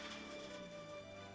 tidak ada raya